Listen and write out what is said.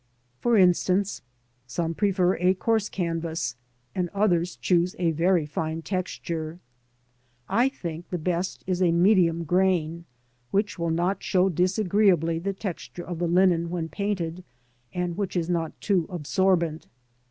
For instance, some prefer a coarse canvas, and others choose a very fine texture. I think the best is a medium grain, which will not show disagreeably the texture of the linen when painted, and which is not too absorbent.